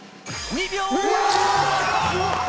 ２秒！